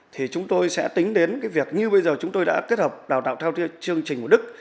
thì chúng tôi sẽ tính đến cái việc như bây giờ chúng tôi đã kết hợp đào tạo theo chương trình của đức